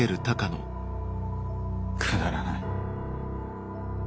くだらない。